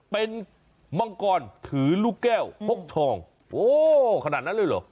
เป็นมังกรถือลูกแก้วพกทองโอ้ขนาดนั้นเลยเหรอ